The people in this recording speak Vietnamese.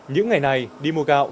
những ngày này đi mua gạo